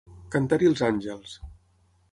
Cantar-hi els àngels.